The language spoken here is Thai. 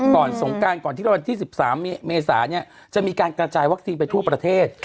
ก่อนที่๑๓เมษายังจะมีการกระจายวัคซีนไปทั่วประเทศ